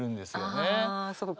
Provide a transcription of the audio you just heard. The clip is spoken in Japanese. あそうか。